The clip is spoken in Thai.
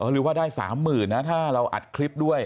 หรือว่าได้๓๐๐๐นะถ้าเราอัดคลิปด้วย